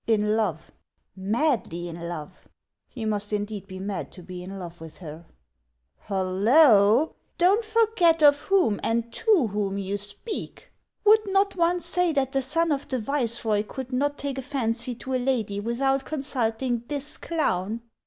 " In love ?" "Madly in love !"" He must indeed be mad to be in love with her." " Hullo ! don't forget of whom and to whom you speak. Would not one say that the son of the viceroy could not take a fancy to a lady without consulting this clown